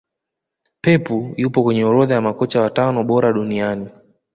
pepu yupo kwenye orodha ya makocha watano bora duniania